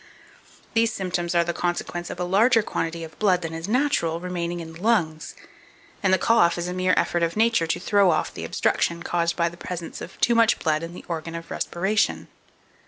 These symptoms are the consequence of a larger quantity of blood than is natural remaining in the lungs, and the cough is a mere effort of Nature to throw off the obstruction caused by the presence of too much blood in the organ of respiration.